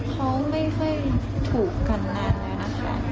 เขาไม่ค่อยถูกกันนานแล้วนะคะ